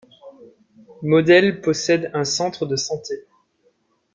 Modelle possède un centre de santé.